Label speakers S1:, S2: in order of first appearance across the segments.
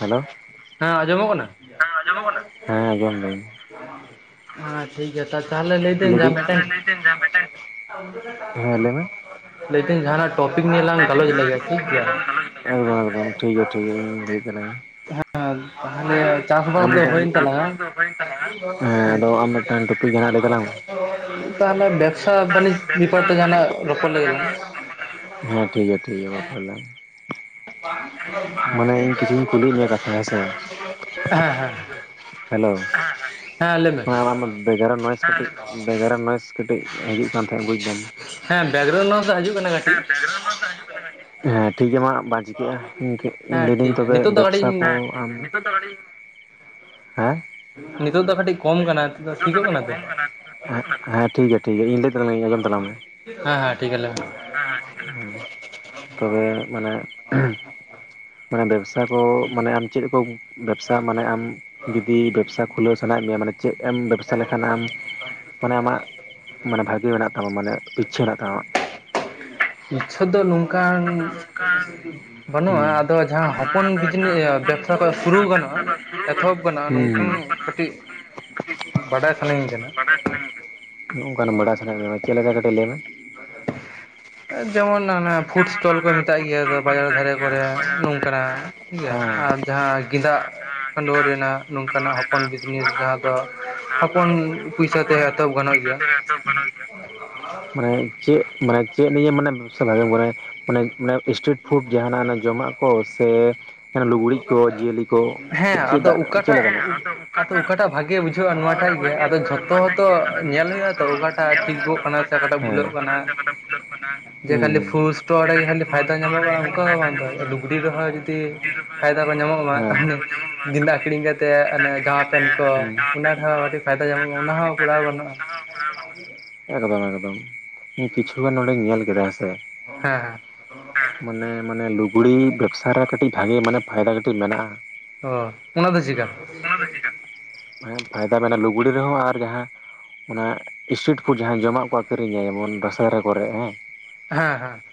S1: Hello
S2: ᱦᱮᱸ ᱟᱸᱡᱚᱢᱚᱜ ᱠᱟᱱᱟ?
S1: ᱦᱮᱸ ᱟᱸᱡᱚᱢᱚᱜ ᱠᱟᱱᱟ? ᱦᱮᱸ ᱟᱸᱡᱚᱢ ᱫᱟᱹᱧ
S2: [unintelligible] ᱦᱮᱸ ᱴᱷᱤᱠ ᱜᱮᱭᱟ। ᱛᱟ ᱼᱼ ᱛᱟᱦᱟᱞᱮ ᱞᱟᱹᱭᱮᱫᱟᱹᱧ ᱢᱟ
S1: ᱞᱟᱹᱭᱫᱟᱹᱧ
S2: ᱢᱤᱫᱴᱟᱝ
S1: ᱦᱮᱸ ᱞᱟᱹᱭ ᱢᱮ
S2: ᱼᱼ ᱞᱟᱹᱭᱮᱫᱟᱹᱧ ᱡᱟᱦᱟᱱᱟᱜ ᱴᱚᱯᱤᱠ ᱱᱤᱭᱮ ᱞᱟᱝ
S1: ᱞᱟᱹᱭᱫᱟᱹᱧ
S2: ᱜᱟᱞᱚᱪ
S1: ᱡᱟᱦᱟᱱᱟᱜ
S2: ᱞᱮᱜᱮ ᱟᱨᱠᱤ। ᱴᱷᱤᱠ
S1: ᱴᱚᱯᱤᱠ ᱱᱤᱭᱮ
S2: ᱜᱮᱭᱟ।
S1: ᱞᱟᱝ ᱜᱟᱞᱚᱪ ᱮᱠᱫᱚᱢ ᱮᱠᱫᱚᱢ ᱴᱷᱤᱠ ᱜᱮᱭᱟ ᱴᱷᱤᱠ ᱜᱮᱭᱟ ᱤᱧᱤᱧ ᱞᱟᱹᱭᱮᱫ ᱛᱟᱞᱟᱝᱟ।
S2: ᱦᱮᱸ ᱛᱟᱦᱚᱞᱮ
S1: ᱦᱮᱸ,
S2: ᱪᱟᱥᱵᱟᱥ ᱫᱚ ᱦᱩᱭᱮᱱ ᱛᱟᱞᱟᱝᱟ
S1: [unintelligible] ᱫᱚ ᱦᱩᱭᱮᱱ ᱛᱟᱞᱟᱝᱟ। ᱦᱮᱸ ᱟᱫᱚ ᱟᱢ [unintelligible] ᱴᱟᱜ ᱴᱚᱯᱤᱠ ᱡᱟᱦᱟᱱᱟᱜ ᱞᱟᱹᱭ ᱛᱟᱞᱟᱝ ᱢᱮ।
S2: ᱛᱟᱦᱟᱞᱮ ᱵᱮᱵᱽᱥᱟ ᱵᱟᱱᱤᱡᱽ
S1: ᱵᱮᱵᱽᱥᱟ
S2: ᱵᱤᱯᱚᱨ ᱛᱮ
S1: ᱵᱟᱹᱱᱤᱡᱽ
S2: ᱡᱟᱦᱟᱱᱟᱜ
S1: ᱵᱮᱯᱟᱨ
S2: ᱨᱚᱯᱚᱲ
S1: ᱛᱮ
S2: ᱞᱮᱜᱮ ᱞᱟᱝ।
S1: ᱡᱟᱦᱟᱱᱟᱜ ᱦᱮᱸ ᱴᱷᱤᱠ ᱜᱮᱭᱟ ᱴᱷᱤᱠ ᱜᱮᱭᱟ ᱨᱚᱯᱚᱲ ᱟᱞᱟᱝ।
S2: [inaudible]
S1: ᱢᱟᱱᱮ ᱤᱧ ᱠᱤᱪᱷᱩᱧ ᱠᱩᱞᱤᱭᱮᱫ
S2: ᱦᱮᱸ
S1: ᱢᱮᱭᱟ ᱠᱟᱛᱷᱟ ᱦᱮᱸᱥᱮ
S2: ᱦᱮᱸ ᱦᱮᱸ।
S1: ᱦᱮᱞᱳ, ᱦᱮᱸ ᱦᱮᱸ
S2: ᱞᱟᱹᱭ ᱢᱮ
S1: ᱟ ᱟᱢᱟᱜ ᱵᱮᱜᱟᱨᱟ [unintelligible] ᱱᱚᱭᱮᱥ ᱠᱟᱹᱴᱤᱡ [unintelligible] ᱱᱚᱭᱮᱥ ᱠᱟᱹᱴᱤᱡ ᱦᱤᱡᱩᱜ ᱠᱟᱱ ᱛᱟᱦᱮᱸᱜ ᱵᱩᱡᱫᱟᱢ?
S2: ᱦᱮᱸ ᱵᱮᱠᱜᱨᱟᱣᱩᱱᱰ ᱱᱚᱣᱟᱥ ᱫᱚ ᱦᱤᱡᱩᱜ ᱠᱟᱱᱟ ᱠᱟᱹᱴᱤᱡ।
S1: [unintelligible] ᱾ ᱦᱮᱸ ᱴᱷᱤᱠ ᱜᱮᱭᱟ ᱢᱟ। ᱵᱟᱝ ᱪᱤᱠᱟᱹᱜᱼᱟ ᱤᱱᱠᱟ ᱤᱧ
S2: ᱦᱮᱸ
S1: ᱞᱟᱹᱭᱫᱟᱹᱧ
S2: ᱴᱷᱤᱠ ᱜᱮᱭᱟ
S1: ᱛᱚᱵᱮ᱾
S2: ᱱᱤᱛᱚᱜ ᱫᱚ ᱠᱟᱹᱴᱤᱡ
S1: ᱵᱮᱵᱽᱥᱟ ᱠᱚ ᱼᱼ ᱱᱤᱛᱚᱜ ᱫᱚ ᱠᱟᱹᱴᱤᱡ, ᱦᱮᱸ?
S2: ᱱᱤᱛᱚᱜ ᱫᱚ ᱠᱟᱹᱴᱤᱡ ᱠᱚᱢ ᱠᱟᱱᱟ।
S1: ᱱᱤᱛᱚᱜ ᱫᱚ ᱠᱟᱹᱴᱤᱡ ᱠᱚᱢ ᱠᱟᱱᱟ। ᱦᱮᱸ ᱴᱷᱤᱠ ᱜᱮᱭᱟ ᱴᱷᱤᱠ ᱜᱮᱭᱟ ᱤᱧ ᱞᱟᱹᱭᱮᱫ ᱛᱟᱞᱟᱝᱟᱹᱧ ᱟᱸᱡᱚᱢ ᱛᱟᱞᱟᱝ ᱢᱮ।
S2: ᱦᱮᱸ ᱦᱮᱸ, ᱴᱷᱤᱠ ᱜᱮᱭᱟ ᱞᱟᱹᱭ ᱢᱮ।
S1: ᱦᱮᱸ ᱦᱮᱸ, ᱴᱷᱤᱠ ᱜᱮ। ᱦᱩᱸ, ᱛᱚᱵᱮ ᱢᱟᱱᱮ ᱢᱟᱱᱮ ᱵᱮᱵᱥᱟ ᱠᱚ ᱢᱟᱱᱮ ᱟᱢ ᱪᱮᱜ ᱠᱚ ᱵᱮᱵᱥᱟ ᱢᱟᱱᱮ ᱟᱢ ᱡᱩᱫᱤ ᱵᱮᱵᱥᱟ ᱠᱷᱩᱞᱟᱹᱣ ᱥᱟᱱᱟᱭᱮᱫ ᱢᱮᱭᱟ, ᱢᱟᱱᱮ ᱪᱮᱫ ᱮᱢ ᱵᱮᱵ ᱥᱟ ᱞᱮᱠᱷᱟᱱ ᱟᱢ ᱢᱟᱱᱮ ᱟᱢᱟᱜ ᱢᱟᱱᱮ ᱵᱷᱟᱜᱮ ᱢᱮᱱᱟᱜ ᱛᱟᱢᱟ ᱢᱟᱱᱮ ᱤᱪᱷᱟᱹ ᱢᱮᱱᱟᱜ ᱛᱟᱢᱟ ᱟᱢᱟᱜ?
S2: ᱤᱪᱪᱷᱟᱹ ᱫᱚ
S1: ᱱᱤᱛᱚᱜ ᱫᱚ
S2: ᱱᱚᱝᱠᱟᱱ
S1: ᱱᱚᱝᱠᱟᱱ
S2: ᱵᱟᱹᱱᱩᱜᱼᱟ,
S1: ᱦᱩᱸ
S2: ᱟᱫᱚ ᱡᱟᱦᱟᱸ ᱦᱚᱯᱚᱱ
S1: ᱵᱟᱹᱱᱩᱜᱼᱟ ᱟᱫᱚ
S2: ᱵᱤᱡᱱᱮ
S1: ᱡᱟᱦᱟᱸ
S2: ᱮ
S1: ᱦᱚᱯᱚᱱ
S2: ᱵᱮᱵ ᱥᱟ
S1: ᱪᱟᱥ
S2: ᱫᱚ ᱥᱩᱨᱩ ᱜᱟᱱᱚᱜᱼᱟ, ᱮᱛᱚᱦᱚᱵ ᱜᱟᱱᱚᱜᱼᱟ, ᱱᱚᱝᱠᱟᱱ ᱠᱟᱹᱴᱤᱡ
S1: ᱠᱟᱴᱤᱡ
S2: ᱵᱟᱰᱟᱭ ᱥᱟᱱᱟᱧ ᱠᱟᱱᱟ
S1: ᱵᱟᱰᱟᱭ ᱥᱟᱱᱟᱧ ᱠᱟᱱᱟ, ᱦᱚᱜ ᱚᱱᱠᱟᱱ ᱵᱟᱰᱟᱭ ᱥᱟᱱᱟᱮᱜ ᱢᱮᱭᱟ ᱪᱮᱞᱮᱠᱟ ᱠᱟᱹᱴᱤᱡ ᱞᱟᱹᱭ ᱢᱮ ᱾
S2: [unintelligible] ᱮ ᱡᱮᱢᱚᱱ ᱟᱱᱟ ᱯᱷᱩᱰ
S1: ᱡᱮᱢᱚᱱ
S2: ᱥᱴᱚᱞ ᱠᱚ
S1: ᱚᱱᱟ
S2: ᱢᱮᱛᱟᱜ
S1: ᱯᱷᱩᱰ
S2: ᱜᱤᱭᱟ
S1: ᱥᱴᱚᱞ
S2: ᱫᱟᱫᱟ
S1: ᱠᱚ
S2: ᱵᱟᱡᱟᱨ
S1: ᱢᱮᱛᱟᱜ
S2: ᱫᱷᱟᱨᱮ
S1: ᱜᱮᱭᱟ
S2: ᱠᱚᱨᱮ
S1: ᱵᱟᱡᱟᱨ ᱫᱷᱟᱨᱮ
S2: ᱱᱚᱝᱠᱟᱱᱟᱜ
S1: ᱠᱚᱨᱮ
S2: ᱾ ᱴᱷᱤᱠ ᱜᱮᱭᱟ
S1: ᱦᱮᱸ
S2: ᱟᱨ ᱡᱟᱦᱟᱸ ᱜᱤᱫᱟᱜ
S1: ᱟᱨ ᱡᱟᱦᱟᱸ
S2: ᱠᱷᱟᱰᱩᱣᱟᱹ
S1: ᱪᱮᱫᱟᱜ
S2: ᱨᱮᱱᱟᱜ,
S1: ᱟᱹᱞᱩ
S2: ᱱᱚᱝᱠᱟᱱᱟᱜ ᱦᱚᱯᱚᱱ
S1: ᱨᱮᱱᱟᱜ
S2: ᱵᱤᱡᱱᱤᱥ
S1: ᱱᱚᱝᱠᱟᱱᱟᱜ
S2: ᱡᱟᱦᱟᱸ
S1: ᱦᱚᱯᱚᱱ
S2: ᱫᱚ
S1: ᱡᱟᱦᱟᱸ ᱫᱚ
S2: ᱦᱚᱯᱚᱱ ᱯᱩᱭᱥᱟ ᱛᱮ
S1: ᱦᱚᱯᱚᱱ
S2: ᱮᱛᱚᱦᱚᱵ ᱜᱟᱱᱚᱜ
S1: ᱯᱚᱭᱥᱟ
S2: ᱜᱮᱭᱟ
S1: ᱛᱮ
S2: ᱾
S1: ᱮᱛᱚᱦᱚᱵ ᱜᱟᱱᱚᱜ ᱜᱮᱭᱟᱢᱟᱱᱮ ᱪᱮᱜ ᱢᱟᱱᱮ ᱪᱮᱜ ᱱᱤᱭᱮ ᱢᱟᱱᱮᱢ ᱥᱟᱵ ᱵᱷᱟᱜᱮᱢ ᱵᱟᱰᱟᱭᱟ, ᱢᱟᱱᱮ ᱢᱟᱱᱮ ᱤᱥᱴᱨᱤᱴ ᱯᱷᱩᱰ ᱡᱟᱦᱟᱱᱟᱜ ᱚᱱᱮ ᱡᱚᱢᱟᱜ ᱠᱚ ᱥᱮ ᱞᱩᱜᱽᱲᱤᱡ ᱠᱚ ᱡᱤᱭᱟᱹᱞᱤ ᱠᱚ
S2: ᱦᱮᱸ, ᱟᱫᱚ
S1: ᱪᱮᱫᱟᱜ ᱪᱮᱫ
S2: ᱩᱠᱟᱴᱟᱜ
S1: ᱞᱮᱠᱟᱱᱟᱜ?
S2: ᱟᱫᱚ
S1: ᱚᱠᱟᱴᱟᱜ
S2: ᱩᱠᱟᱴᱟᱜ ᱵᱷᱟᱜᱮ ᱵᱩᱡᱷᱟᱹᱜᱼᱟ
S1: ᱟᱫᱚ
S2: ᱱᱚᱣᱟ ᱴᱟᱜ
S1: ᱚᱠᱟᱴᱟᱜ
S2: ᱜᱮ
S1: ᱵᱷᱟᱜᱮ
S2: ᱟᱫᱚ
S1: ᱵᱩᱡᱷᱟᱹᱜᱼᱟ
S2: ᱡᱷᱚᱛᱛᱚ
S1: ᱱᱚᱣᱟᱴᱟᱜ
S2: ᱦᱚᱛᱚ
S1: ᱜᱮ ᱟᱫᱚ
S2: ᱧᱮᱞ
S1: ᱡᱚᱛᱚ
S2: ᱦᱩᱭᱩᱜᱼᱟ, ᱛᱚ
S1: ᱫᱚ
S2: ᱚᱠᱟᱴᱟᱜ
S1: ᱧᱮᱞ ᱦᱩᱭᱩᱜᱼᱟ
S2: ᱴᱷᱤᱠᱜᱚᱜ
S1: ᱛᱚ
S2: ᱠᱟᱱᱟ ᱾ ᱚᱠᱟᱴᱟᱜ ᱵᱷᱩᱞᱚᱜ
S1: ᱴᱷᱤᱠᱚᱜ
S2: ᱠᱟᱱᱟ ᱾
S1: ᱥᱮ ᱚᱠᱟᱴᱟᱜ ᱵᱷᱩᱞᱚᱜ ᱠᱟᱱᱟ ᱾
S2: ᱡᱮ ᱠᱷᱟᱹᱞᱤ ᱯᱷᱩᱴ ᱥᱴᱚᱞ ᱨᱮᱜᱮ ᱠᱷᱟᱹᱞᱤ ᱯᱷᱟᱭᱫᱟ
S1: ᱫᱚ ᱚᱸᱰᱮ
S2: ᱧᱟᱢᱚᱜᱚᱜᱼᱟ
S1: ᱜᱮ ᱠᱷᱟᱹᱞᱤ
S2: ᱚᱝᱠᱟ ᱦᱚᱸ
S1: ᱯᱷᱟᱭᱫᱟ
S2: ᱵᱟᱝ ᱫᱚ
S1: ᱧᱟᱢᱚᱜᱼᱟ ᱚᱱᱠᱟ
S2: ᱫᱩᱜᱽᱲᱤ
S1: ᱦᱚᱸ
S2: ᱨᱮᱦᱚᱸ ᱡᱩᱫᱤ
S1: ᱵᱟᱝ ᱞᱩᱠᱲᱤ ᱨᱮᱦᱚᱸ
S2: ᱯᱷᱟᱭ
S1: ᱡᱩᱫᱤ
S2: ᱢᱤᱫᱟᱠᱚ ᱧᱟᱢᱚᱜ ᱢᱟ
S1: ᱯᱷᱟᱭᱫᱟ
S2: ᱛᱟᱦᱚᱱᱤᱡ
S1: ᱠᱚ ᱧᱟᱢᱚᱜᱼᱟ
S2: ᱜᱤᱫᱟᱜ
S1: ᱛᱟᱦᱚᱞᱮ
S2: ᱠᱤᱨᱤᱧ ᱠᱟᱛᱮᱜ ᱟᱱᱮ
S1: ᱜᱮᱸᱫᱟᱜ ᱠᱤᱨᱤᱧ
S2: ᱡᱟᱢᱟ ᱯᱮᱱᱴ ᱠᱚ
S1: ᱠᱟᱛᱮᱫ ᱡᱟᱢᱟ
S2: ᱚᱱᱟ
S1: ᱯᱮᱱᱴ ᱠᱚ
S2: ᱨᱮᱦᱚᱸ ᱟᱰᱤ ᱯᱷᱟᱭᱫᱟ ᱧᱟᱢᱚᱜᱼᱟ,
S1: ᱛᱮᱦᱚᱸ
S2: ᱚᱱᱟ
S1: ᱟᱹᱰᱤ
S2: ᱦᱚᱸ
S1: ᱯᱷᱟᱭᱫᱟ
S2: ᱠᱩᱨᱟᱣ
S1: ᱧᱟᱢᱚᱜᱼᱟ
S2: ᱜᱟᱱᱚᱜᱼᱟ ᱾
S1: ᱚᱱᱟ ᱦᱚᱠᱚᱨᱟᱣ ᱜᱟᱱᱚᱜ-ᱟ, ᱮᱠᱫᱚᱢ ᱮᱠᱫᱚᱢ ᱤᱧ ᱠᱤᱪᱷᱩᱜᱟᱱ ᱱᱚᱸᱰᱮᱧ ᱧᱮᱞ ᱠᱮᱫᱟ ᱦᱮᱸᱥᱮ᱾
S2: ᱦᱮᱸ ᱦᱮᱸ ᱾
S1: ᱦᱮᱸ, ᱢᱟᱱᱮ ᱢᱟᱱᱮ ᱞᱩᱜᱽᱲᱤ ᱵᱮᱵᱽᱥᱟ ᱨᱮ ᱠᱟᱹᱴᱤᱡ ᱵᱷᱟᱜᱮ ᱢᱟᱱᱮ ᱯᱷᱟᱭᱫᱟ ᱠᱟᱹᱴᱤᱡ ᱢᱮᱱᱟᱜᱼᱟ ᱾
S2: ᱚ ᱚᱱᱟ ᱫᱚ ᱪᱤᱠᱟ?
S1: ᱚᱱᱟ ᱫᱚ ᱪᱤᱠᱟ, ᱢᱟᱱᱮ ᱯᱷᱟᱭᱫᱟ ᱢᱮᱱᱟ ᱞᱩᱜᱽᱲᱤ ᱨᱮᱦᱚᱸ ᱟᱨ ᱡᱟᱦᱟᱸ ᱚᱱᱟ ᱥᱤᱴᱨᱤᱴ ᱯᱷᱩᱰ ᱡᱟᱦᱟᱸ ᱡᱚᱢᱟᱜ ᱠᱚ ᱟᱹᱠᱷᱨᱤᱧᱟ ᱡᱮᱢᱚᱱ ᱫᱟᱥᱟᱨᱮ ᱠᱚᱨᱮᱜ ᱦᱮᱸ
S2: ᱦᱮᱸ ᱦᱮᱸ ᱾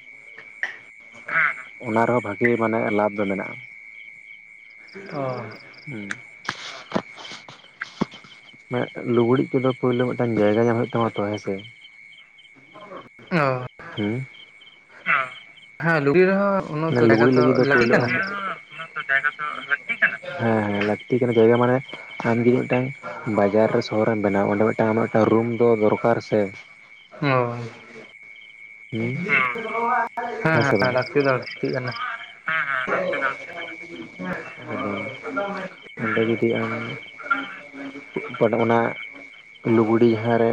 S1: ᱦᱮᱸ ᱦᱮᱸ, ᱚᱱᱟ ᱨᱮᱦᱚᱸ ᱵᱷᱟᱜᱮ ᱢᱟᱱᱮ ᱞᱟᱵᱷ ᱫᱚ ᱢᱮᱱᱟᱜᱼᱟ ᱾
S2: ᱚ ᱾
S1: ᱦᱩᱸ ᱾ ᱢᱮᱜ ᱞᱩᱜᱽᱲᱤᱡ ᱠᱚᱫᱚ ᱯᱳᱭᱞᱳ ᱢᱤᱫᱴᱟᱝ ᱡᱟᱭᱜᱟ ᱧᱟᱢ ᱦᱳᱭᱳᱜ ᱛᱟᱢᱟ ᱛᱚ, ᱦᱮᱸᱥᱮ?
S2: ᱦᱳᱭ᱾
S1: ᱦᱩᱸ ᱾
S2: ᱦᱮᱸ ᱞᱩᱜᱽᱲᱤ ᱨᱮ ᱦᱚᱸ
S1: ᱚᱱᱮ ᱞᱩᱜᱽᱲᱤᱡ ᱞᱟᱹᱜᱤᱫ ᱫᱚ ᱯᱳᱭᱞᱳ ᱟᱢ ᱦᱩᱸ ᱛᱚ, ᱡᱟᱭᱜᱟ ᱛᱚ ᱞᱟᱹᱠᱛᱤ ᱠᱟᱱᱟ, ᱦᱮᱸ ᱦᱮᱸ, ᱞᱟᱹᱠᱛᱤ ᱠᱟᱱᱟ ᱡᱟᱭᱜᱟ ᱢᱟᱱᱮ ᱟᱢ ᱡᱩᱫᱤ ᱢᱤᱫᱴᱟᱝ ᱵᱟᱡᱟᱨ ᱨᱮ ᱥᱚᱦᱚᱨ ᱨᱮᱢ ᱵᱮᱱᱟᱣᱟ, ᱚᱸᱰᱮ ᱢᱤᱫᱴᱟᱱ ᱟᱢᱟᱜ ᱢᱤᱫᱴᱟᱝ ᱨᱩᱢ ᱫᱚ ᱫᱚᱨᱠᱟᱨ ᱥᱮ?
S2: ᱦᱳᱭ᱾
S1: ᱦᱩᱸ᱾
S2: ᱦᱮᱸ
S1: ᱥᱮ
S2: ᱦᱮᱸ,
S1: ᱵᱟᱝ
S2: ᱞᱟᱹᱠᱛᱤ ᱫᱚ ᱞᱟᱹᱠᱛᱤᱜ ᱠᱟᱱᱟ ᱾
S1: ᱮᱠᱫᱚᱢ ᱾ ᱚᱸᱰᱮ ᱡᱩᱫᱤ ᱟᱢ [unintelligible] ᱚᱱᱟ ᱞᱩᱜᱽᱲᱤ ᱡᱟᱦᱟᱨᱮ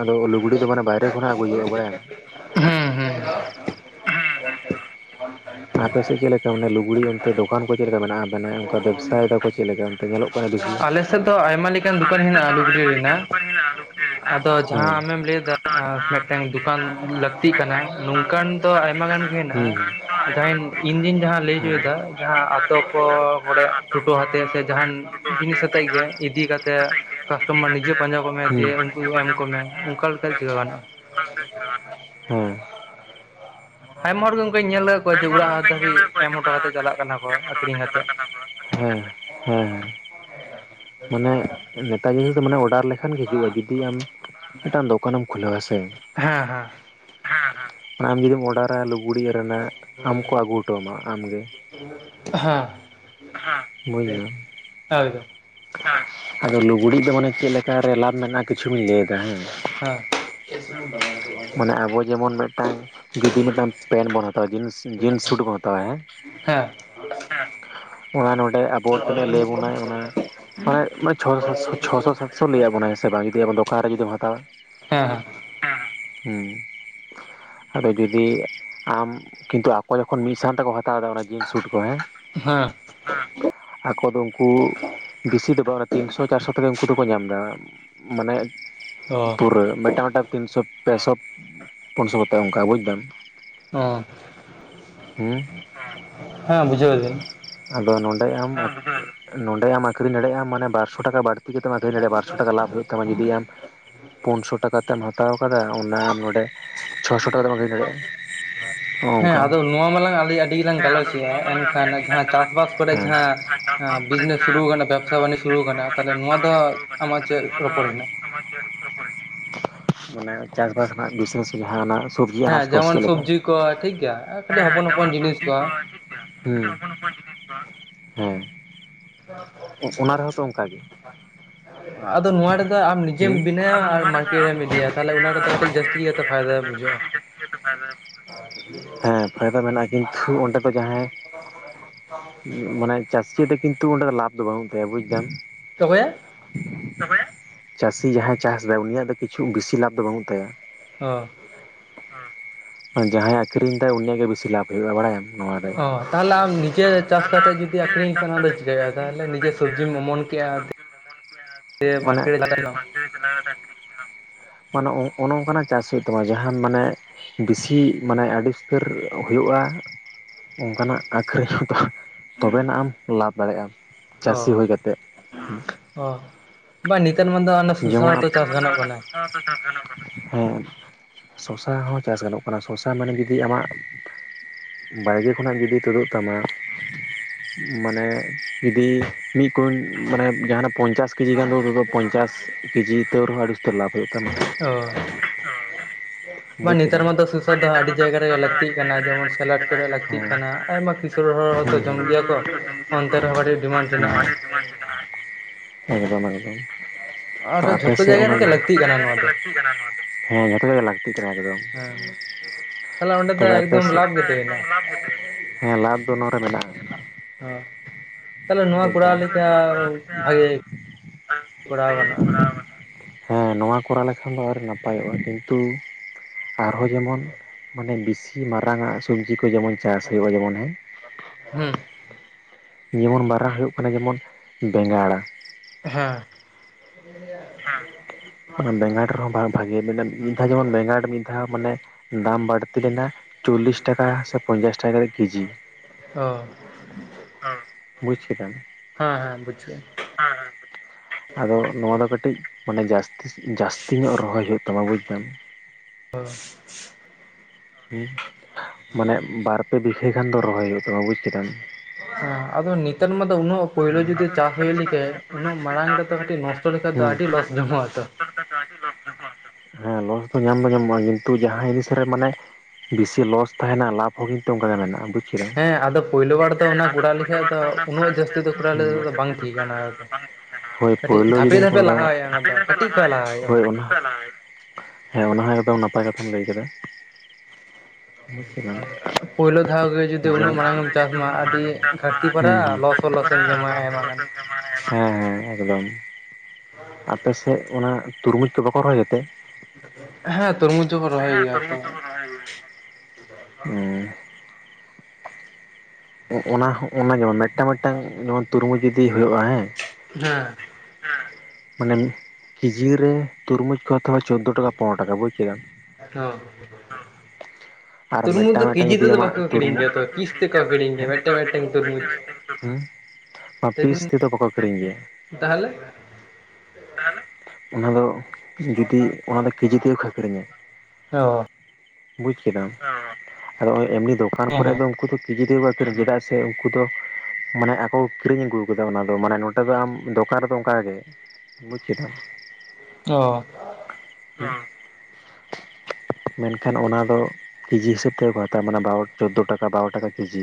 S1: ᱟᱫᱚ ᱞᱩᱜᱽᱲᱤ ᱫᱚ ᱢᱟᱱᱮ ᱵᱟᱭᱨᱮ ᱠᱷᱚᱱᱟᱜ ᱟᱹᱜᱩᱭ ᱦᱩᱭᱩᱜᱼᱟ ᱵᱟᱲᱟᱭᱟᱢ ᱾
S2: ᱦᱩᱸ ᱦᱩᱸ ᱾
S1: ᱟᱯᱮᱥᱮᱫ ᱪᱮᱫ ᱞᱮᱠᱟ ᱢᱟᱱᱮ ᱞᱩᱜᱽᱲᱤ ᱚᱱᱛᱮ ᱫᱚᱠᱟᱱ ᱠᱚ ᱪᱮᱫ ᱞᱮᱠᱟ ᱢᱮᱱᱟᱜᱼᱟ ᱵᱮᱱᱟ ᱚᱱᱠᱟ ᱵᱮᱵᱽᱥᱟᱭ ᱫᱟᱠᱚ ᱪᱮᱜ ᱞᱮᱠᱟ ᱚᱱᱛᱮ ᱧᱮᱞᱚᱜ ᱠᱟᱱᱟ᱾ ᱵᱮᱥᱤ
S2: ᱟᱞᱮ ᱥᱮᱫ ᱫᱚ ᱟᱭᱢᱟ ᱞᱮᱠᱟᱱ
S1: ᱟᱞᱮ
S2: ᱫᱩᱠᱟᱱ
S1: ᱥᱮᱫ
S2: ᱦᱮᱱᱟᱜᱼᱟ
S1: ᱫᱚ
S2: ᱞᱩᱜᱽᱲᱤ
S1: ᱟᱭᱢᱟ ᱞᱮᱠᱟᱱ
S2: ᱨᱮᱱᱟᱜ
S1: ᱫᱚᱠᱟᱱ ᱦᱮᱱᱟᱜᱼᱟ ᱟᱹᱞᱩ ᱵᱷᱟᱹᱡᱤ ᱨᱮᱱᱟᱜ᱾
S2: ᱟᱫᱚ ᱡᱟᱦᱟᱸ
S1: ᱦᱮᱸ᱾
S2: ᱟᱢᱮᱢ ᱞᱟᱹᱭᱫᱟ᱾
S1: ᱟᱫᱚ ᱡᱟᱦᱟᱸ
S2: ᱢᱮᱫᱴᱮᱝ
S1: ᱟᱢᱮᱢ
S2: ᱫᱩᱠᱟᱱ
S1: ᱞᱟᱹᱭᱫᱟ
S2: ᱞᱟᱹᱠᱛᱤᱜ ᱠᱟᱱᱟ
S1: ᱢᱤᱫᱴᱮᱱ ᱫᱚᱠᱟᱱ
S2: ᱱᱚᱝᱠᱟᱱ ᱛᱚ
S1: ᱞᱟᱹᱠᱛᱤ
S2: ᱟᱭᱢᱟ ᱜᱟᱱ
S1: ᱠᱟᱱᱟ
S2: ᱜᱮ ᱦᱮᱱᱟᱜᱼᱟ
S1: ᱫᱚᱠᱟᱱ ᱫᱚ
S2: ᱾
S1: ᱟᱭᱢᱟ
S2: ᱡᱟᱭᱤᱱ
S1: ᱜᱟᱱ ᱜᱮ ᱦᱮᱱᱟᱜᱼᱟ
S2: ᱤᱱᱡᱤᱱ ᱡᱟᱦᱟᱸ ᱞᱟᱹᱭ
S1: ᱤᱧ
S2: ᱪᱚᱭᱫᱟ
S1: ᱫᱩᱧ
S2: ᱡᱟᱦᱟᱸ ᱟᱛᱳ
S1: ᱞᱟᱹᱭ
S2: ᱠᱚ
S1: ᱦᱚᱪᱚᱭᱫᱟ
S2: ᱠᱚᱨᱮ
S1: ᱟᱛᱳ
S2: ᱴᱳᱴᱳ
S1: ᱠᱚ
S2: ᱦᱟᱛᱮᱜ ᱥᱮ
S1: ᱠᱚᱨᱮ
S2: ᱡᱟᱦᱟᱱ
S1: ᱴᱳᱴᱳ ᱟᱛᱮ
S2: ᱡᱤᱱᱤᱥ
S1: ᱥᱮ
S2: ᱟᱛᱮᱫ ᱜᱮ
S1: ᱡᱟᱦᱟᱱ
S2: ᱤᱫᱤ
S1: ᱡᱤᱱᱤᱥ
S2: ᱠᱟᱛᱮᱜ
S1: ᱟᱛᱮᱫ ᱜᱮ ᱤᱫᱤ
S2: ᱠᱟᱥᱴᱚᱢᱟᱨ ᱱᱤᱡᱮ
S1: ᱠᱟᱛᱮᱫ
S2: ᱯᱟᱸᱡᱟ ᱠᱚᱢᱮ, ᱫᱤᱭᱮ
S1: ᱠᱟᱥᱴᱚᱢᱟᱨ
S2: ᱩᱱᱠᱩ
S1: ᱱᱤᱡᱮ
S2: ᱜᱮ ᱮᱢ ᱠᱚᱢᱮ ᱚᱱᱠᱟ ᱞᱮᱠᱟ ᱪᱤᱠᱟᱹ ᱜᱟᱱᱚᱜᱼᱟ᱾
S1: [inaudible] ᱦᱮ
S2: ᱟᱭᱢᱟ ᱦᱚᱲ ᱜᱮ ᱚᱱᱠᱟ ᱧᱮᱞ ᱠᱟᱜ
S1: ᱟᱭᱢᱟ ᱦᱚᱲ ᱜᱮ ᱚᱱᱠᱟᱧ ᱧᱮᱞ ᱠᱟᱜ ᱠᱚᱣᱟ ᱡᱮ ᱡᱷᱽᱲᱟᱴ
S2: ᱠᱟᱱᱟ ᱠᱚ
S1: [unintelligible] ᱮᱢ ᱦᱚᱴᱚ ᱠᱟᱛᱮ
S2: ᱟᱠᱷᱨᱤᱧ
S1: ᱪᱟᱞᱟᱜ
S2: ᱠᱟᱛᱮᱫ
S1: ᱠᱟᱱᱟ ᱠᱚ, ᱦᱮᱸ ᱦᱮᱸ ᱢᱟᱱᱮ ᱱᱮᱛᱟᱨ ᱡᱤᱱᱤᱥ ᱫᱚ ᱢᱟᱱᱮ ᱚᱰᱟᱨ ᱞᱮᱠᱷᱟᱱ ᱜᱮ ᱦᱤᱡᱩᱜᱼᱟ, ᱡᱩᱫᱤ ᱟᱢ ᱢᱤᱫᱴᱟᱝ ᱫᱚᱠᱟᱱᱮᱢ ᱠᱷᱩᱞᱟᱹᱣ-ᱟ ᱦᱮᱸ ᱥᱮ,
S2: ᱦᱮᱸ ᱦᱮᱸ
S1: ᱦᱮᱸ ᱦᱮᱸ ᱟᱢ ᱡᱩᱫᱤᱢ ᱚᱰᱟᱨᱟ ᱞᱩᱜᱽᱲᱤ ᱨᱮᱱᱟᱜ ᱟᱢ ᱠᱚ ᱟᱹᱜᱩ ᱦᱚᱴᱚᱣᱟᱢᱟ ᱟᱢ ᱜᱮ᱾
S2: ᱦᱮᱸ
S1: ᱦᱮᱸ ᱵᱩᱡᱽ [unintelligible]
S2: [unintelligible]
S1: ᱟᱫᱚ ᱞᱩᱜᱽᱲᱤ ᱫᱚ ᱢᱟᱱᱮ ᱪᱮᱫ ᱞᱮᱠᱟ ᱨᱮ ᱞᱟᱵᱷ ᱢᱮᱱᱟᱜᱼᱟ ᱠᱤᱪᱷᱩᱧ ᱞᱟᱹᱭᱫᱟ ᱦᱮᱸ,
S2: ᱦᱮᱸ [unintelligible]
S1: ᱢᱟᱱᱮ ᱟᱵᱚ ᱡᱮᱢᱚᱱ ᱢᱤᱫᱴᱟᱝ ᱡᱩᱫᱤ ᱢᱤᱫᱴᱟᱝ ᱯᱮᱱ ᱵᱚᱱ ᱦᱟᱛᱟᱣᱟ ᱡᱤᱱᱥ ᱡᱤᱱᱥ ᱥᱩᱴ ᱵᱚᱱ ᱦᱟᱛᱟᱣᱟ ᱦᱮᱸ᱾
S2: ᱦᱮᱸ
S1: ᱦᱮᱸ ᱚᱱᱟ ᱱᱚᱸᱰᱮ ᱟᱵᱚ ᱛᱤᱱᱟᱹᱜ ᱞᱟᱹᱭ ᱟᱵᱚᱱᱟᱭ ᱚᱱᱟ ᱢᱟᱱᱮ ᱪᱷᱚ ᱥᱟᱛ ᱪᱷᱚᱥᱚ ᱥᱟᱛ ᱥᱚ ᱞᱟᱹᱭ ᱟᱵᱚᱱᱟᱭ ᱥᱮ ᱵᱟᱝ ᱡᱩᱫᱤ ᱟᱵᱚ ᱫᱚᱠᱟᱱ ᱨᱮ ᱡᱩᱫᱤᱢ ᱦᱟᱛᱟᱣᱟ᱾
S2: ᱦᱮᱸ ᱦᱮᱸ
S1: ᱦᱮᱸ ᱟᱫᱚ ᱡᱩᱫᱤ ᱟᱢ ᱠᱤᱱᱛᱩ ᱟᱠᱚ ᱡᱚᱠᱷᱚᱱ ᱢᱤᱫ ᱥᱟᱶ ᱛᱮᱠᱚ ᱦᱟᱛᱟᱣ ᱮᱫᱟ, ᱚᱱᱟ ᱡᱤᱱ ᱥᱩᱴ ᱠᱚ ᱦᱮᱸ
S2: ᱦᱮᱸ ᱦᱮᱸ
S1: ᱦᱮᱸ ᱟᱠᱚ ᱫᱚ ᱩᱱᱠᱩ ᱵᱮᱥᱤ ᱫᱚ ᱵᱟᱝ ᱛᱤᱱᱥᱚ ᱪᱟᱨᱥᱚ ᱛᱮᱜᱮ ᱩᱱᱠᱩ ᱫᱚᱠᱚ ᱧᱟᱢᱫᱟ᱾ ᱢᱟᱱᱮ ᱯᱩᱨᱟᱹ ᱢᱤᱫᱴᱟᱝ ᱢᱤᱫᱴᱟᱝ ᱛᱤᱱᱥᱚ ᱯᱮ ᱥᱚ ᱯᱩᱱ ᱥᱚ ᱠᱟᱛᱮ ᱚᱱᱠᱟ ᱵᱩᱡᱽᱫᱟᱢ᱾
S2: ᱚᱻ
S1: ᱦᱩᱸ
S2: ᱦᱮᱸ ᱵᱩᱡᱟᱹᱣ ᱮᱫᱟᱹᱧ᱾
S1: ᱟᱫᱚ ᱱᱚᱸᱰᱮ ᱟᱢ ᱱᱚᱸᱰᱮ ᱟᱢ ᱟᱹᱠᱷᱨᱤᱧ ᱫᱟᱲᱮᱭᱟᱜᱼᱟᱢ ᱢᱟᱱᱮ ᱵᱟᱨ ᱥᱚ ᱴᱟᱠᱟ ᱵᱟᱹᱲᱛᱤ ᱠᱟᱹᱛᱮ ᱟᱹᱫᱟᱹᱭ ᱦᱳᱭ ᱫᱟᱲᱮᱭᱟᱜ ᱵᱟᱨᱥᱚ ᱴᱟᱠᱟ ᱞᱟᱵᱷ ᱦᱩᱭᱩᱜ ᱛᱟᱢᱟ, ᱡᱩᱫᱤ ᱟᱢ ᱯᱩᱱᱥᱚ ᱴᱟᱠᱟ ᱛᱮᱢ ᱦᱟᱛᱟᱣ ᱟᱠᱟᱫᱟ, ᱚᱱᱟ ᱱᱚᱸᱰᱮ ᱪᱷᱚᱥᱚ ᱴᱟᱠᱟ ᱛᱮᱢ ᱟᱹᱠᱷᱨᱤᱧ ᱫᱟᱲᱮᱭᱟᱜᱼᱟ ᱦᱚᱸᱜ
S2: ᱦᱮᱸ
S1: ᱱᱚᱝᱠᱟ᱾
S2: ᱟᱫᱚ ᱱᱚᱣᱟ ᱢᱟᱞᱟᱝ ᱟᱞᱮᱭᱟᱜ ᱟᱹᱰᱤ ᱜᱮᱞᱟᱝ
S1: ᱦᱮᱸ ᱟᱫᱚ
S2: ᱜᱟᱞᱚᱪ
S1: ᱱᱚᱣᱟ
S2: ᱮᱭᱟᱜ
S1: ᱢᱟᱞᱟᱝ ᱟᱹᱰᱤ
S2: ᱮᱱᱠᱷᱟᱱ
S1: ᱟᱹᱰᱤ ᱜᱮᱞᱟᱝ
S2: ᱡᱟᱦᱟᱸ
S1: ᱜᱟᱞᱚᱪ
S2: ᱪᱟᱥ-ᱵᱟᱥ
S1: ᱠᱮᱫᱟ
S2: ᱠᱚᱨᱮ
S1: ᱦᱮᱸ ᱛᱟᱦᱚᱞᱮ
S2: ᱡᱟᱦᱟᱸ
S1: ᱪᱟᱥᱵᱟᱥ ᱠᱚᱨᱮ
S2: ᱵᱤᱡᱽᱱᱮᱥ ᱥᱩᱨᱩ
S1: ᱡᱟᱦᱟᱸ
S2: ᱟᱠᱟᱱᱟ ᱯᱮ ᱵᱮᱵᱽᱥᱟ ᱵᱟᱱᱤᱡ ᱥᱩᱨᱩ
S1: ᱵᱤᱡᱽᱱᱮᱥ
S2: ᱟᱠᱟᱱᱟ᱾ ᱛᱟᱦᱚᱞᱮ
S1: ᱵᱮᱵᱽᱥᱟ
S2: ᱱᱚᱣᱟ ᱫᱚ
S1: ᱵᱟᱹᱱᱤᱡᱽ ᱥᱩᱨᱩ ᱟᱠᱟᱱᱟ
S2: ᱟᱢᱟᱜ
S1: ᱛᱟᱦᱚᱞᱮ
S2: ᱪᱮᱫ
S1: ᱱᱚᱣᱟ ᱫᱚ
S2: ᱨᱚᱯᱚᱲᱮᱱᱟ?
S1: ᱥᱚᱢᱟᱡᱽ ᱢᱟᱱᱮ ᱪᱟᱥ-ᱵᱟᱥ ᱨᱮᱱᱟᱜ ᱵᱤᱥᱮᱥ ᱡᱟᱦᱟᱸᱱᱟᱜ
S2: ᱦᱮᱸ ᱡᱮᱢᱚᱱ ᱥᱚᱵᱽᱡᱤ ᱠᱚ ᱴᱷᱤᱠ ᱜᱮᱭᱟ,
S1: ᱦᱮᱸ
S2: ᱠᱟᱹᱴᱤᱡ
S1: ᱦᱮᱸ
S2: ᱦᱚᱯᱚᱱ
S1: ᱡᱮᱢᱚᱱ
S2: ᱦᱚᱯᱚᱱ ᱡᱤᱱᱤᱥ,
S1: ᱥᱚᱵᱽᱡᱤ ᱠᱚ ᱴᱷᱤᱠ ᱜᱮᱭᱟ, ᱦᱩᱸ [unintelligible] ᱠᱟᱹᱴᱤᱡ ᱠᱟᱹᱴᱤᱢ ᱦᱚᱯᱚᱱ ᱦᱚᱯᱚᱱ ᱡᱤᱱᱤᱥ ᱠᱚ, ᱦᱮᱸ᱾ [unintelligible] ᱚ, ᱚᱱᱟ ᱨᱮᱦᱚᱸ ᱛᱚ ᱚᱱᱠᱟ ᱜᱮ᱾
S2: ᱟᱫᱚ ᱱᱚᱣᱟ ᱨᱮᱫᱚ ᱟᱢ ᱱᱤᱡᱮᱢ
S1: ᱦᱩᱸ᱾
S2: ᱵᱮᱱᱟᱭᱟ
S1: ᱟᱫᱚ
S2: ᱟᱨ
S1: ᱱᱚᱣᱟ ᱨᱮᱫᱚ
S2: ᱢᱟᱨᱠᱮᱴ
S1: ᱟᱢ
S2: ᱨᱮᱢ
S1: ᱱᱤᱡᱮᱢ
S2: ᱤᱫᱤᱭᱟ, ᱛᱟᱦᱚᱞᱮ
S1: ᱵᱤᱡᱱᱮᱥᱟ
S2: ᱚᱱᱟ ᱨᱮᱫᱚ
S1: ᱟᱨ
S2: ᱠᱟᱹᱴᱤᱢ
S1: ᱢᱟᱨᱠᱮᱴ
S2: ᱡᱟᱹᱥᱛᱤ
S1: ᱨᱮᱢ
S2: ᱜᱮᱛᱚ
S1: ᱤᱫᱤᱭᱟ ᱛᱟᱦᱚᱞᱮ
S2: ᱯᱷᱟᱭᱫᱟᱭ
S1: ᱚᱱᱟ
S2: ᱵᱩᱡ
S1: ᱨᱮᱫᱚ
S2: ᱡᱚᱜ-ᱟ᱾
S1: [unintelligible] ᱦᱮᱸ, ᱯᱷᱟᱭᱫᱟ ᱢᱮᱱᱟᱜᱼᱟ, ᱠᱤᱱᱛᱷᱩ ᱚᱸᱰᱮ ᱫᱚ ᱡᱟᱦᱟᱸᱭ ᱢᱟᱱᱮ ᱪᱟᱹᱥᱤᱭᱟᱜ ᱫᱚ ᱠᱤᱱᱛᱩ ᱚᱸᱰᱮ ᱫᱚ ᱞᱟᱵᱷ ᱫᱚ ᱵᱟᱹᱱᱩᱜ ᱛᱟᱭᱟ ᱵᱩᱡᱫᱟᱢ᱾
S2: ᱛᱚᱠᱚᱭᱟᱜ?
S1: ᱛᱚᱠᱚᱭᱟ? ᱪᱟᱹᱥᱤ ᱡᱟᱦᱟᱸᱭ ᱪᱟᱥ ᱮᱫᱟ ᱩᱱᱤᱭᱟᱜ ᱫᱚ ᱠᱤᱪᱷᱩ ᱵᱮᱥᱤ ᱞᱟᱵᱷ ᱫᱚ ᱵᱟᱹᱱᱩᱜ ᱛᱟᱭᱟ᱾
S2: ᱚ᱾
S1: ᱡᱟᱦᱟᱸᱭ ᱟᱹᱠᱷᱨᱤᱧᱫᱟᱭ ᱩᱱᱤᱭᱟᱜ ᱜᱮ ᱵᱮᱥᱤ ᱞᱟᱵᱷ ᱦᱩᱭᱩᱜ-ᱟ ᱵᱟᱲᱟᱭᱟᱢ᱾ ᱱᱚᱣᱟ ᱨᱮ᱾
S2: ᱚ, ᱛᱟᱦᱚᱞᱮ ᱟᱢ ᱱᱤᱡᱮ ᱪᱟᱥ
S1: ᱛᱟᱦᱚᱞᱮ
S2: ᱠᱟᱛᱮ
S1: ᱟᱢ
S2: ᱡᱩᱫᱤ
S1: ᱱᱤᱡᱮ
S2: ᱟᱹᱠᱷᱨᱤᱧ
S1: ᱪᱟᱥ
S2: ᱞᱮᱠᱷᱟᱱ ᱚᱱᱟ
S1: ᱠᱟᱛᱮ
S2: ᱫᱚ
S1: ᱡᱩᱫᱤ
S2: ᱪᱤᱠᱟᱹᱭᱟ᱾
S1: ᱟᱹᱠᱷᱨᱤᱧ
S2: ᱛᱟᱦᱚᱞᱮ
S1: ᱥᱟᱱᱟ
S2: ᱱᱤᱡᱮ
S1: ᱞᱮᱫ ᱢᱮᱭᱟ
S2: ᱥᱚᱵᱽᱡᱤᱢ ᱚᱢᱚᱱ ᱠᱮᱭᱟ
S1: ᱥᱚᱵᱽᱡᱤᱢ ᱚᱢᱚᱱ ᱠᱮᱭᱟ ᱢᱟᱱᱮ [unintelligible] ᱢᱟᱱᱮ ᱚᱱᱮ ᱚᱱᱠᱟᱱᱟᱜ ᱪᱟᱥ ᱦᱩᱭᱩᱜ ᱛᱟᱢᱟ ᱡᱟᱦᱟᱸᱱ ᱢᱟᱱᱮ ᱵᱮᱥᱤ ᱢᱟᱱᱮ ᱟᱹᱰᱤᱥ ᱩᱛᱟᱹᱨ ᱦᱳᱭᱳᱜᱼᱟ᱾ ᱚᱱᱠᱟᱱᱟᱜ ᱟᱹᱠᱷᱨᱤᱧ ᱦᱚᱸᱛᱚ ᱛᱚᱵᱮᱱᱟᱜ ᱮᱢ ᱞᱟᱵᱷ ᱫᱟᱲᱮᱭᱟᱜᱼᱟ, ᱪᱟᱹᱥᱤ
S2: ᱚ
S1: ᱦᱩᱭ ᱠᱟᱛᱮ᱾
S2: ᱚ, ᱵᱟᱝ ᱱᱮᱛᱟᱨ ᱢᱟᱫᱚ ᱚᱱᱮ ᱥᱚᱥᱟ ᱦᱚᱸᱛᱚ ᱪᱟᱥ ᱜᱟᱱᱚᱜ ᱠᱟᱱᱟ᱾
S1: ᱚᱱᱟ ᱦᱚᱸᱛᱚ ᱪᱟᱥ ᱜᱟᱱᱚᱜ ᱠᱟᱱᱟ ᱾ ᱦᱩᱸ ᱾ ᱥᱚᱥᱟ ᱦᱚᱸ ᱪᱟᱥ ᱜᱟᱱᱚᱜ ᱠᱟᱱᱟ, ᱥᱚᱥᱟ ᱢᱟᱱᱮ ᱡᱩᱫᱤ ᱟᱢᱟᱜ ᱵᱟᱲᱜᱮ ᱠᱷᱚᱱᱟᱜ ᱡᱩᱫᱤ ᱛᱳᱫᱳᱜ ᱛᱟᱢᱟ ᱢᱟᱱᱮ ᱡᱩᱫᱤ ᱢᱤᱫ ᱠᱩᱭᱮᱱ ᱢᱟᱱᱮ ᱡᱟᱦᱟᱸᱱᱟᱜ ᱯᱚᱧᱪᱟᱥ ᱠᱮᱡᱤ ᱜᱟᱱ ᱫᱚ [unintelligible] ᱯᱚᱧᱪᱟᱥ ᱠᱮᱡᱤ ᱛᱟᱹᱣ ᱨᱮᱦᱚᱸ ᱟᱹᱰᱤᱥ ᱩᱛᱟᱹᱨ ᱞᱟᱵᱷ ᱦᱩᱭᱩᱜ ᱛᱟᱢᱟ᱾
S2: ᱚ
S1: [inaudible] ᱵᱩᱡ
S2: ᱵᱟᱝ ᱱᱮᱛᱟᱨ
S1: ᱠᱮᱫᱟᱢ᱾ᱦᱮᱸ,
S2: ᱢᱟᱛᱚ ᱥᱚᱥᱟ ᱫᱚ
S1: ᱱᱮᱛᱟᱨ
S2: ᱟᱹᱰᱤ
S1: ᱢᱟᱛᱚ
S2: ᱡᱟᱭᱜᱟ
S1: ᱥᱚᱥᱟ
S2: ᱨᱮᱜᱮ
S1: ᱛᱚ ᱟᱹᱰᱤ
S2: ᱞᱟᱹᱠᱛᱤᱜ
S1: ᱡᱟᱭᱜᱟ
S2: ᱠᱟᱱᱟ
S1: ᱨᱮ
S2: ᱡᱮᱢᱚᱱ
S1: ᱞᱟᱹᱠᱛᱤᱜ
S2: ᱥᱮᱞᱟᱰ ᱠᱚᱨᱮ ᱞᱟᱹᱠᱛᱤᱜ ᱠᱟᱱᱟ ᱟᱭᱢᱟ ᱠᱤᱥᱟᱹᱬ ᱦᱚᱲ ᱦᱚᱸᱛᱚ ᱡᱚᱢ ᱜᱮᱭᱟ ᱠᱚ ᱚᱱᱛᱮ ᱨᱮᱦᱚᱸ ᱠᱟᱹᱴᱤᱡ ᱰᱤᱢᱟᱱᱰ ᱦᱮᱱᱟᱜᱼᱟ
S1: ᱠᱟᱱᱟ᱾ [unintelligible] [unintelligible] ᱮᱠᱫᱚᱢ ᱮᱠᱫᱚᱢ ᱾
S2: ᱟᱫᱚ ᱡᱷᱚᱛᱚ ᱡᱟᱭᱜᱟ ᱨᱮᱜᱮ ᱞᱟᱹᱠᱛᱤᱜ ᱠᱟᱱᱟ ᱱᱚᱣᱟ ᱫᱚ᱾
S1: ᱞᱟᱹᱠᱛᱤᱜ ᱠᱟᱱᱟ ᱱᱚᱣᱟ ᱫᱚ ᱾ ᱦᱮᱸ, ᱡᱚᱛᱚ ᱡᱟᱭᱜᱟ ᱨᱮ ᱜᱮ ᱞᱟᱹᱠᱛᱤᱜ ᱠᱟᱱᱟ, ᱮᱠᱫᱚᱢ᱾
S2: ᱦᱮᱸ ᱛᱟᱦᱚᱞᱮ ᱚᱸᱰᱮ ᱫᱚ
S1: ᱛᱚᱵᱮ ᱟᱯᱮ
S2: ᱮᱠᱫᱚᱢ
S1: ᱥᱮᱫ,
S2: ᱞᱟᱵᱷ ᱜᱮ ᱛᱟᱦᱮᱱᱟ
S1: ᱦᱮᱸ, ᱞᱟᱵᱷ ᱛᱚ ᱱᱚᱶᱟ ᱨᱮ ᱢᱮᱱᱟᱜ-ᱟ,
S2: ᱦᱮᱸ ᱛᱟᱦᱚᱞᱮ ᱱᱚᱣᱟ
S1: ᱵᱩᱡᱫᱟᱢ᱾
S2: ᱠᱚᱨᱟᱣ ᱞᱮᱠᱟ
S1: [unintelligible]
S2: ᱠᱚᱲᱟᱣ ᱜᱟᱱᱚ-ᱟ᱾
S1: ᱦᱮᱸ, ᱱᱚᱣᱟ ᱠᱚᱨᱟᱣ ᱞᱮᱠᱷᱟᱱ ᱫᱚ ᱟᱨ ᱱᱟᱯᱟᱭᱚᱜ-ᱟ, ᱠᱤᱱᱛᱩ ᱟᱨᱦᱚᱸ ᱡᱮᱢᱚᱱ ᱢᱟᱱᱮ ᱵᱤᱥᱤ ᱢᱟᱨᱟᱝ ᱟᱜ ᱥᱚᱵᱽᱡᱤ ᱠᱚ ᱡᱮᱢᱚᱱ ᱪᱟᱥ ᱦᱩᱭᱩᱜ-ᱟ, ᱡᱮᱢᱚᱱ
S2: ᱦᱩᱸ
S1: ᱡᱮᱢᱚᱱ ᱢᱟᱨᱟᱝ ᱦᱩᱭᱩᱜ ᱠᱟᱱᱟ, ᱡᱮᱢᱚᱱ ᱵᱮᱸᱜᱟᱲ᱾
S2: ᱦᱮᱸ᱾
S1: ᱦᱮᱸ᱾ ᱢᱟᱱᱮ ᱵᱮᱸᱜᱟᱲ ᱨᱮᱦᱚᱸ ᱵᱟᱝ ᱵᱷᱟᱜᱮ ᱢᱮᱱᱟᱜ ᱢᱤᱫ ᱫᱷᱟᱹᱣ ᱡᱮᱢᱚᱱ ᱵᱮᱸᱜᱟᱲ ᱢᱤᱫ ᱫᱷᱟᱹᱣ ᱢᱟᱱᱮ ᱫᱟᱢ ᱵᱟᱹᱲᱛᱤ ᱞᱮᱱᱟ ᱪᱩᱞᱞᱤᱥ ᱴᱟᱠᱟ ᱥᱮ ᱯᱚᱧᱪᱟᱥ ᱴᱟᱠᱟ ᱠᱟᱛᱮ ᱠᱮᱡᱤ᱾
S2: ᱚ
S1: ᱚ᱾ ᱵᱩᱡᱽ ᱠᱮᱫᱟᱢ᱾
S2: ᱦᱮᱸ ᱦᱮᱸ, ᱵᱩᱡ ᱠᱮᱜ-ᱟᱹᱧ᱾
S1: ᱦᱮᱸ ᱦᱮᱸ᱾ ᱟᱫᱚ ᱱᱚᱣᱟ ᱫᱚ ᱠᱟᱹᱴᱤᱡ ᱢᱟᱱᱮ ᱡᱟᱹᱥᱛᱤᱥ ᱡᱟᱹᱥᱛᱤ ᱧᱚᱜ ᱨᱚᱦᱚᱭ ᱦᱩᱭᱩᱜ ᱛᱟᱢᱟ, ᱵᱩᱡᱫᱟᱢ᱾
S2: ᱦᱳᱭ ᱾
S1: ᱢᱟᱱᱮ, ᱵᱟᱨ ᱯᱮ ᱵᱤᱜᱷᱟᱹ ᱜᱟᱱ ᱫᱚ ᱨᱚᱦᱚᱭ ᱦᱩᱭᱩᱜ ᱛᱟᱢᱟ, ᱵᱩᱡ ᱠᱮᱫᱟᱢ᱾
S2: ᱦᱮᱸ ᱟᱫᱚ ᱱᱤᱛᱟᱱ ᱢᱟᱫᱚ ᱩᱱᱟᱹᱜ ᱯᱩᱭᱞᱳ
S1: ᱦᱮᱸ
S2: ᱡᱩᱫᱤ
S1: ᱟᱫᱚ
S2: ᱪᱟᱥ
S1: ᱱᱤᱛᱚᱝ
S2: ᱦᱳᱭᱳᱜ
S1: ᱢᱟ ᱫᱟᱜ
S2: ᱞᱮᱠᱟᱱ
S1: ᱯᱳᱭᱞᱳ
S2: ᱩᱱᱟᱹᱜ
S1: ᱡᱩᱫᱤ
S2: ᱢᱟᱲᱟᱝ
S1: ᱪᱟᱥ
S2: ᱨᱮᱛᱚ
S1: ᱞᱮᱜᱮ
S2: ᱠᱟᱹᱴᱤᱡ
S1: ᱥᱮ
S2: ᱱᱚᱥᱴᱚ ᱞᱮᱠᱷᱟᱱ ᱫᱚ
S1: ᱦᱩᱸ
S2: ᱟᱹᱰᱤ ᱞᱚᱥ
S1: ᱢᱟᱲᱟᱝ ᱞᱮᱠᱟ
S2: ᱧᱚᱢᱚᱜ-ᱟ
S1: ᱫᱚ
S2: ᱛᱚ᱾
S1: [unintelligible] ᱦᱮᱸ ᱞᱚᱥ ᱫᱚ ᱧᱟᱢ ᱫᱚ ᱧᱟᱢᱚᱜᱼᱟ, ᱠᱤᱱᱛᱩ ᱡᱟᱦᱟᱸ ᱦᱤᱱᱤᱥ ᱨᱮ ᱢᱟᱱᱮ ᱵᱮᱥᱤ ᱞᱚᱥ ᱛᱟᱦᱮᱱᱟ ᱞᱟᱵᱷ ᱦᱚᱸ ᱠᱤᱱᱛᱩ ᱚᱱᱠᱟ ᱜᱮ ᱢᱮᱱᱟᱜᱼᱟ, ᱵᱩᱡ ᱠᱮᱫᱟᱢ᱾
S2: ᱦᱮᱸ ᱟᱫᱚ ᱯᱳᱭᱞᱳ ᱵᱟᱨ ᱫᱚ
S1: ᱦᱮᱸ
S2: ᱚᱱᱟ
S1: ᱟᱫᱚ
S2: ᱠᱚᱨᱟᱣ
S1: ᱯᱳᱭᱞᱳ
S2: ᱞᱮᱠᱷᱟᱡ ᱫᱚ ᱩᱱᱟᱹᱜ ᱡᱟᱹᱥᱛᱤ ᱫᱚ ᱠᱚᱨᱟᱣ ᱞᱮᱠᱷᱟᱡ ᱫᱚ ᱵᱟᱝ ᱴᱷᱤᱠᱟ ᱚᱱᱟ ᱫᱚ
S1: [unintelligible] ᱦᱳᱭ
S2: ᱠᱟᱹᱴᱤᱡ
S1: ᱯᱳᱭᱞᱳ
S2: ᱫᱷᱟᱯᱮ
S1: ᱡᱩᱫᱤᱢ
S2: ᱫᱷᱟᱯᱮ ᱞᱟᱦᱟ
S1: ᱠᱚᱨᱟᱣᱟ
S2: ᱦᱩᱭᱩᱜᱼᱟ ᱚᱱᱟ ᱫᱚ ᱠᱟᱹᱴᱤᱡ ᱠᱷᱚᱡ ᱞᱟᱦᱟ
S1: [unintelligible] ᱦᱳᱭ
S2: ᱦᱩᱭᱩᱜᱼᱟ
S1: ᱚᱱᱟ ᱦᱮᱸ ᱚᱱᱟ ᱦᱚᱸ ᱮᱠᱫᱚᱢ ᱱᱟᱯᱟᱭ ᱠᱟᱛᱷᱟᱢ ᱞᱟᱹᱭ ᱠᱮᱫᱟ᱾ ᱵᱩᱡᱽ ᱠᱮᱫᱟᱢ
S2: ᱯᱳᱭᱞᱳ ᱫᱷᱟᱣ ᱜᱮ ᱡᱩᱫᱤ
S1: ᱯᱳᱭᱞᱳ
S2: ᱩᱱᱟᱹᱜ
S1: ᱫᱷᱟᱣ
S2: ᱢᱟᱲᱟᱝ ᱮᱢ
S1: ᱜᱮ ᱡᱩᱫᱤ
S2: ᱪᱟᱥᱟ
S1: ᱩᱱᱟᱹᱜ ᱢᱟᱲᱟᱝ
S2: ᱟᱹᱰᱤ
S1: ᱮᱢ ᱪᱟᱥᱟ
S2: ᱜᱷᱟᱴᱛᱤ
S1: ᱟᱨ ᱡᱩᱫᱤ
S2: ᱯᱟᱨᱟᱼᱟ ᱞᱚᱥ
S1: ᱡᱟᱹᱥᱛᱤ
S2: ᱞᱚᱥᱮᱢ
S1: ᱠᱚᱨᱟᱣᱟ
S2: ᱡᱚᱢᱟ
S1: ᱞᱚᱥ ᱦᱚᱸ
S2: ᱟᱭᱢᱟ ᱜᱟᱱ᱾
S1: ᱞᱚᱥᱮᱢ ᱦᱮᱸ ᱦᱮᱸ ᱮᱠᱫᱚᱢ, ᱟᱯᱮ ᱥᱮᱫ ᱚᱱᱟ ᱛᱩᱨᱢᱩᱡᱽ ᱠᱚ ᱵᱟᱠᱚ ᱨᱚᱦᱚᱭ ᱜᱮᱛᱮ?
S2: ᱦᱮᱸ ᱛᱩᱨᱢᱩᱡᱽ ᱫᱚ ᱠᱚ ᱨᱚᱦᱚᱭ ᱜᱮᱭᱟ ᱛᱚ᱾
S1: ᱚᱻ ᱚᱱᱟ ᱦᱚᱸ ᱚᱱᱟ ᱡᱮᱢᱚᱱ ᱢᱮᱫ ᱢᱤᱫᱴᱟᱝ ᱢᱤᱫᱴᱟᱝ ᱡᱮᱢᱚᱱ ᱛᱩᱨᱢᱩᱡ ᱡᱩᱫᱤ ᱦᱩᱭᱩᱜ-ᱟ ᱦᱮᱸ᱾
S2: ᱦᱮᱸ᱾
S1: ᱦᱮᱸ᱾ ᱢᱟᱱᱮ ᱠᱮᱡᱤ ᱨᱮ ᱛᱩᱨᱢᱩᱡᱽ ᱠᱚ ᱦᱟᱛᱟᱣᱟ ᱪᱳᱫᱫᱳ ᱴᱟᱠᱟ ᱯᱚᱱᱮᱨᱚ ᱴᱟᱠᱟ ᱵᱩᱡᱽ ᱠᱮᱫᱟᱢ᱾
S2: ᱦᱚᱸ᱾
S1: ᱟᱨ
S2: ᱛᱩᱨᱢᱩᱡᱽ ᱫᱚ
S1: ᱢᱤᱫᱴᱟᱝ ᱢᱤᱫᱴᱟᱝ
S2: ᱠᱮᱡᱤ
S1: ᱡᱩᱫᱤ
S2: ᱛᱮᱫᱚ ᱵᱟᱠᱚ
S1: ᱟᱢᱟᱜ
S2: ᱟᱹᱠᱷᱲᱤᱧ
S1: ᱛᱩᱨᱢᱩᱡᱽ
S2: ᱜᱮᱭᱟ ᱛᱚ ᱯᱤᱥ ᱛᱮᱠᱚ ᱟᱹᱷᱨᱤᱤᱧ ᱜᱮᱭᱟ ᱢᱤᱫᱮᱱ ᱢᱤᱫᱴᱮᱱ ᱛᱩᱨᱢᱩᱡᱽ᱾
S1: ᱦᱩᱸ ᱦᱮᱸ ᱯᱤᱥ
S2: ᱞᱟᱹᱭᱫᱟᱹᱧ
S1: ᱛᱮᱫᱚ ᱵᱟᱠᱚ ᱟᱠᱷᱨᱤᱧ ᱜᱮᱭᱟ᱾
S2: ᱛᱟᱦᱚᱞᱮ
S1: ᱚᱱᱟ ᱫᱚ ᱡᱩᱫᱤ ᱚᱱᱟ ᱫᱚ ᱠᱮᱡᱤ ᱛᱮᱜᱮ ᱠᱚ ᱟᱹᱠᱷᱨᱤᱧᱟ᱾
S2: ᱚ
S1: ᱵᱩᱡᱽ ᱠᱮᱫᱟᱢ ᱟᱫᱚ ᱦᱚᱸᱜ ᱚᱭ ᱮᱢᱱᱤ ᱫᱚᱠᱟᱱ
S2: ᱦᱮᱸ ᱦᱮᱸ
S1: ᱠᱚᱨᱮ ᱫᱚ ᱩᱱᱠᱩ ᱫᱚ ᱠᱤᱠᱤ ᱛᱮᱜᱮ ᱠᱚ ᱟᱠᱷᱨᱤᱧᱟ ᱪᱮᱫᱟᱜ ᱥᱮ ᱩᱱᱠᱩ ᱫᱚ ᱢᱟᱱᱮ ᱟᱠᱚ ᱠᱚ ᱠᱤᱨᱤᱧ ᱟᱹᱜᱩ ᱟᱠᱟᱫᱟ ᱚᱱᱟ ᱫᱚ ᱢᱟᱱᱮ ᱱᱚᱸᱰᱮ ᱫᱚ ᱟᱢ ᱫᱚᱠᱟᱱ ᱨᱮᱫᱚ ᱚᱱᱠᱟ ᱜᱮ᱾ ᱵᱩᱡᱽ ᱠᱮᱫᱟᱢ᱾
S2: ᱚᱻ
S1: ᱢᱮᱱᱠᱷᱟᱱ ᱚᱱᱟ ᱫᱚ ᱠᱮᱡᱤ ᱦᱤᱥᱟᱹᱵᱽ ᱛᱮᱜᱮ ᱠᱚ ᱦᱟᱛᱟᱣᱟ ᱢᱟᱱᱮ ᱵᱟᱨᱚ, ᱪᱳᱫᱽᱫᱳ ᱴᱟᱠᱟ ᱵᱟᱨᱳ ᱴᱟᱠᱟ ᱠᱮᱡᱤ᱾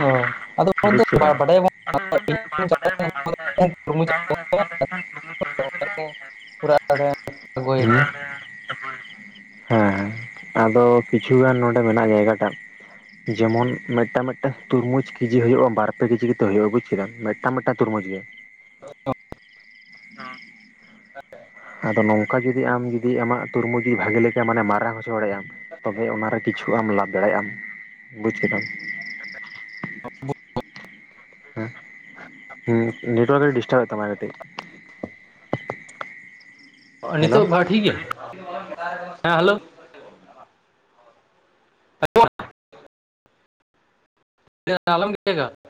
S2: ᱚᱻ ᱟᱫᱚ ᱚᱱᱟ ᱫᱚ
S1: ᱵᱩᱪ ᱠᱮᱫᱟᱢ᱾
S2: ᱵᱟᱰᱟᱭ
S1: ᱟᱫᱚ [unintelligible]
S2: [unintelligible]
S1: ᱦᱩᱸ [inaudible] ᱦᱮᱸ ᱦᱮᱸ ᱟᱫᱚ ᱠᱤᱪᱷᱩᱜᱟᱱ ᱱᱚᱰᱮ ᱢᱮᱱᱟᱜ-ᱟ ᱡᱟᱭᱜᱟ ᱴᱟᱜ ᱡᱮᱢᱚᱱ ᱢᱤᱫᱴᱟᱝ ᱢᱤᱫᱴᱟᱝ᱾ ᱛᱩᱨᱢᱩᱡᱽ ᱠᱮᱡᱤ ᱦᱩᱭᱩᱜᱼᱟ ᱵᱟᱨᱯᱮ ᱠᱮᱡᱤ ᱠᱟᱛᱮ ᱦᱩᱭᱩᱜᱼᱟ ᱵᱩᱡ ᱠᱮᱫᱟᱢ ᱢᱤᱫᱴᱟᱝ ᱢᱤᱫᱴᱟᱝ ᱛᱩᱨᱢᱩᱡᱽ ᱜᱮ᱾ ᱦᱚᱸ ᱟᱫᱚ ᱱᱚᱝᱠᱟ ᱡᱩᱫᱤ ᱟᱢ ᱡᱩᱫᱤ ᱟᱢᱟᱜ ᱛᱩᱨᱢᱩᱡᱽ ᱡᱩᱫᱤ ᱵᱷᱟᱜᱮ ᱞᱮᱠᱟ ᱢᱟᱱᱮ ᱢᱟᱨᱟᱝ ᱦᱚᱪᱚ ᱫᱟᱲᱮᱭᱟᱜ ᱟᱢ᱾ ᱛᱚᱵᱮ ᱚᱱᱟᱨᱮ ᱠᱤᱪᱷᱩ ᱟᱢ ᱞᱟᱵᱷ ᱫᱟᱲᱮᱭᱟᱜ ᱟᱢ ᱵᱩᱡ ᱠᱮᱫᱟᱢ᱾ ᱦᱮᱸ ᱦᱩᱸ ᱱᱮᱴᱣᱟᱨᱠ ᱮ ᱰᱤᱥᱴᱟᱵᱮᱫ ᱛᱟᱢᱟ ᱠᱟᱹᱴᱤᱡ᱾ ᱦᱮᱞᱳ
S2: ᱱᱤᱛᱚᱜ ᱵᱷᱟ ᱴᱷᱤᱠ ᱜᱮᱭᱟ, ᱦᱮᱸ ᱦᱮᱞᱳ᱾ [unintelligible] [unintelligible]